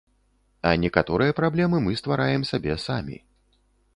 А некаторыя праблемы мы ствараем сабе самі.